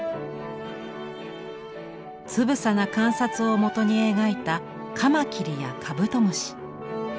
つぶさな観察をもとに描いたカマキリやカブトムシ。